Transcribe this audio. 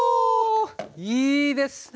いいですね。